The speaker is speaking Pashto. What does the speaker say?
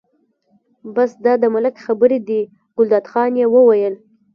بس دا د ملک خبرې دي، ګلداد خان یې وویل.